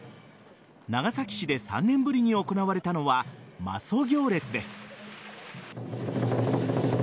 長崎市で３年ぶりに行われたのは媽祖行列です。